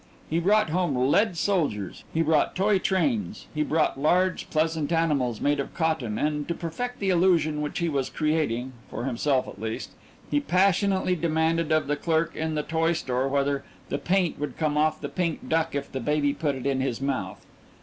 He brought home lead soldiers, he brought toy trains, he brought large pleasant animals made of cotton, and, to perfect the illusion which he was creating for himself at least he passionately demanded of the clerk in the toy store whether "the paint would come oft the pink duck if the baby put it in his mouth."